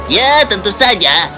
ya tentu saja